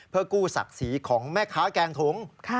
เพื่อกู้ศักดิ์ศรีของแม่ค้าแกงถุง